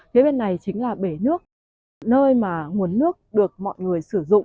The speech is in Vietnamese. phía bên này chính là bể nước nơi mà nguồn nước được mọi người sử dụng